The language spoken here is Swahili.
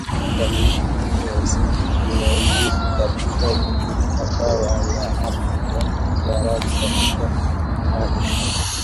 ukamilifu wake Waislamu kama ilivyo katika ubeti ambapo anaapa ya Kiarabu katika karne